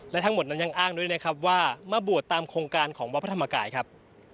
และทั้งหมดนั้นยังอ้างด้วยนะครับว่ามาบวชตามโครงการของวัดพระธรรมกายครับ